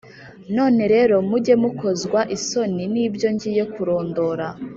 None rero, mujye mukozwa isoni n’ibyo ngiye kurondora;